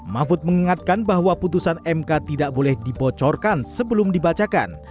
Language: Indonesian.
mahfud mengingatkan bahwa putusan mk tidak boleh dibocorkan sebelum dibacakan